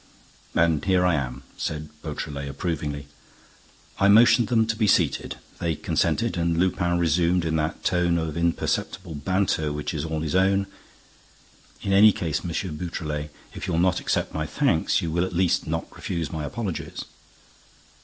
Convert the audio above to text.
"And here I am," said Beautrelet, approvingly. I motioned them to be seated. They consented and Lupin resumed, in that tone of imperceptible banter which is all his own: "In any case, M. Beautrelet, if you will not accept my thanks, you will at least not refuse my apologies."